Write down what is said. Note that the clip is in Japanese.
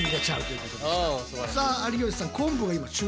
さあ有吉さん